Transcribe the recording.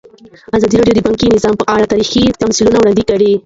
ازادي راډیو د بانکي نظام په اړه تاریخي تمثیلونه وړاندې کړي.